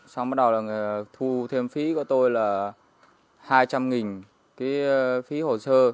xong bắt đầu là thu thêm phí của tôi là hai trăm linh cái phí hồ sơ